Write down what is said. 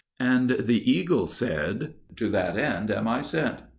And the eagle said, "To that end am I sent."